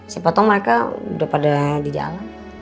siapa tau mereka udah pada di jalan